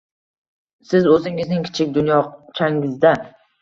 Siz o’zingizning kichik dunyochangizda